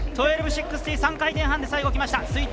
１２６０、３回転半で最後きました！